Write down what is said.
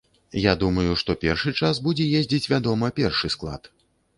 Я думаю што першы час будзе ездзіць, вядома, першы склад.